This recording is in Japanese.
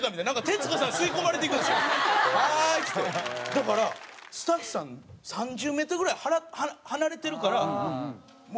だからスタッフさん３０メートルぐらい離れてるから。